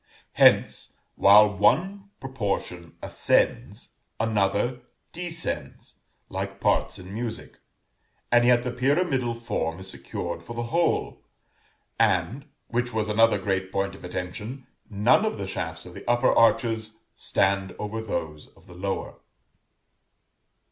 Hence, while one proportion ascends, another descends, like parts in music; and yet the pyramidal form is secured for the whole, and, which was another great point of attention, none of the shafts of the upper arches stand over those of the lower.